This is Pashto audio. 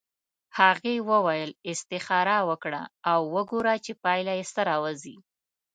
هغې وویل استخاره وکړه او وګوره چې پایله یې څه راوځي.